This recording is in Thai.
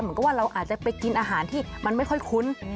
เหมือนกับว่าเราอาจจะไปกินอาหารที่มันไม่ค่อยคุ้น